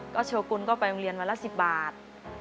ก็โชกุลก็ไปโรงเรียนวันละ๑๐บาท